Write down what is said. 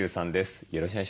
よろしくお願いします。